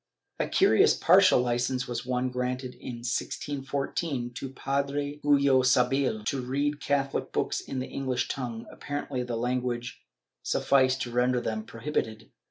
^ A curious partial licence was one granted in 1614, to Padre GuUo Sabell (William Saville?) to read Catholic books in the English tongue — apparently the language sufficed to render them prohibited.